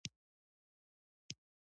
رسول الله ﷺ له کوچنیوالي صالح اخلاق لرل.